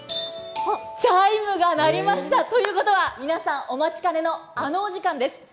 チャイムが鳴りました！ということは、皆さんお待ちかねのあのお時間です。